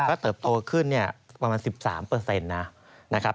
ก็เติบโตขึ้นประมาณ๑๓เปอร์เซ็นต์นะครับ